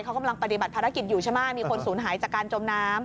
เขากำลังปฏิบัติภารกิจอยู่ใช่ไหมมีคนสูญหายจากการจมน้ำ